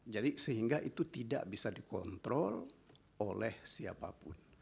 jadi sehingga itu tidak bisa dikontrol oleh siapapun